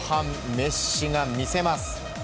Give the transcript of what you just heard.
メッシが魅せます。